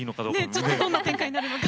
ちょっとどんな展開になるのか。